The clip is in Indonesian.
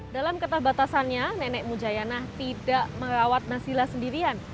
dalam kata batasannya nenek mu zayana tidak merawat nazila sendirian